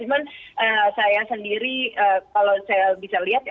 cuman saya sendiri kalau saya bisa lihat ya